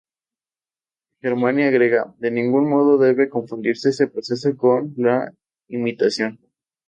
Germani agrega: “De ningún modo debe confundirse este proceso con la imitación.